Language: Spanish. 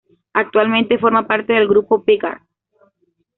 Actualmente forma parte del grupo Beggars.